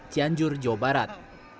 cianjur jawa barat